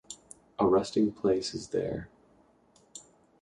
A resting place is there